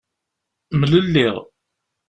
Mlelliɣ.